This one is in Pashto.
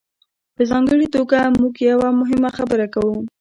په ځانګړې توګه موږ یوه مهمه خبره کوو.